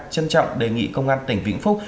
trân trọng đề nghị công an tỉnh vĩnh phúc